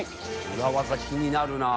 裏ワザ気になるな。